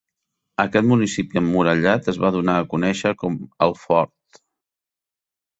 Aquest municipi emmurallat es va donar a conèixer com "el Fort".